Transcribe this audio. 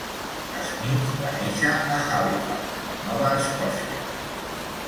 Smith va néixer a Halifax, Nova Escòcia.